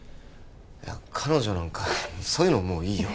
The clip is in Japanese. いや彼女なんかそういうのもういいよ